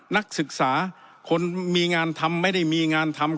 นักศึกษาคนมีงานทำไม่ได้มีงานทำ